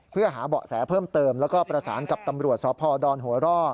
เพื่อหาเบาะแสเพิ่มเติมแล้วก็ประสานกับตำรวจสพดหัวร่อ